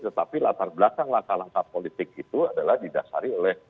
tetapi latar belakang langkah langkah politik itu adalah didasari oleh